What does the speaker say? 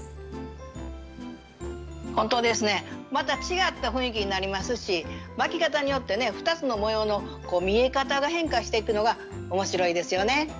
本当ですねまた違った雰囲気になりますし巻き方によってね２つの模様の見え方が変化していくのが面白いですよね。